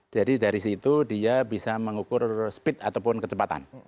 jadi dari situ dia bisa mengukur speed ataupun kecepatan